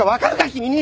君に！